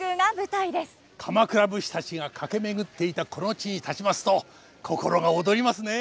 鎌倉武士たちが駆け巡っていたこの地に立ちますと心が躍りますね。